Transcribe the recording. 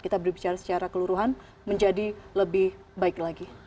kita berbicara secara keluruhan menjadi lebih baik lagi